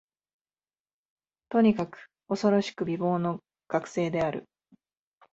とにかく、おそろしく美貌の学生である